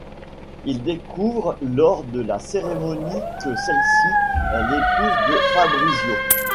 Il découvre lors de la cérémonie que celle-ci est l’épouse de Fabrizio.